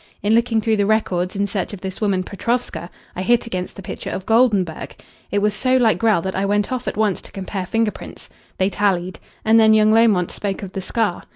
In looking through the records in search of this woman Petrovska, I hit against the picture of Goldenburg. It was so like Grell that I went off at once to compare finger prints. They tallied; and then young Lomont spoke of the scar.